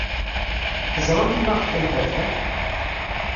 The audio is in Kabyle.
Teẓramt maɣef ay terfa?